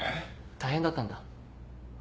大変だったんだ。